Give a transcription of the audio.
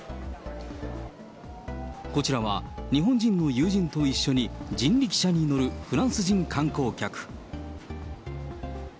こちらは日本人の友人と一緒に人力車に乗るフランス人観光客。